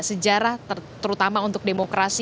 sejarah terutama untuk demokrasi